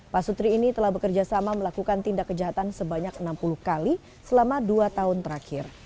pasutri ini telah bekerja sama melakukan tindak kejahatan sebanyak enam puluh kali selama dua tahun terakhir